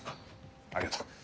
ありがとう。